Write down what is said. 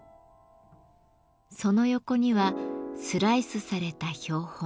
その横にはスライスされた標本。